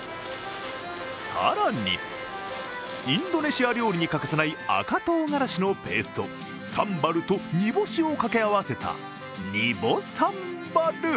更に、インドネシア料理に欠かせない赤とうがらしのペーストサンバルと煮干しをかけ合わせたニボサンバル。